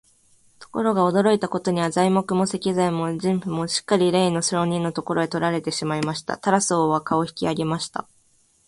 ところが、驚いたことには、材木も石材も人夫もすっかりれいの商人のところへ取られてしまいました。タラス王は価を引き上げました。